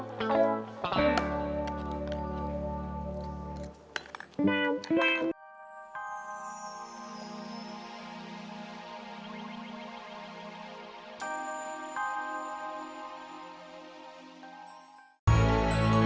kalau nggak bisa kelaperan nih gue